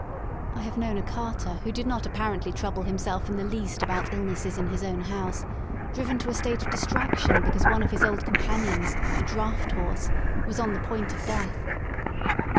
I have known a carter who did not ap parently trouble himself in the least about illnesses in his own house, driven to a state of distraction because one of his old companions, a draught horse, was on the point of death.